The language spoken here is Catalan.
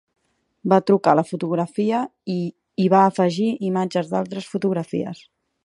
Va trucar la fotografia i hi va afegir imatges d'altres fotografies.